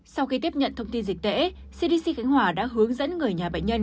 sau khi tiếp nhận thông tin dịch tễ cdc khánh hòa đã hướng dẫn người nhà bệnh nhân